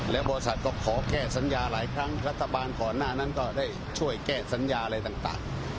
และบริษัทก็ขอแก้สัญญาหลายครั้งรัฐบาลก่อนหน้านั้นก็ได้ช่วยแก้สัญญาอะไรต่าง